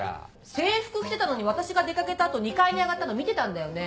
制服着てたのに私が出かけた後２階に上がったの見てたんだよね？